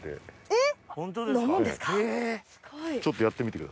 えっ！